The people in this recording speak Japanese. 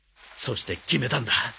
そして決めたんだ。